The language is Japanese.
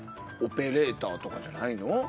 オペレーターとかじゃないの？